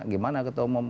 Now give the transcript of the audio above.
gimana ketua umum